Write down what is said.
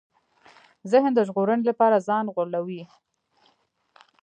ذهن د ژغورنې لپاره ځان غولوي.